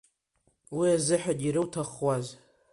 Уи азыҳәан ируҭахуаз!